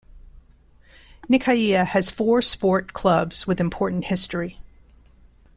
Nikaia has four sport clubs with important history.